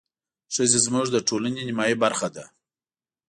ښځې زموږ د ټولنې نيمايي برخه ده.